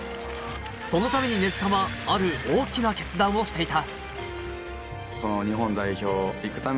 そのために根塚は、ある大きな決断をしていた。